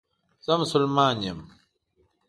زه مسلمان یم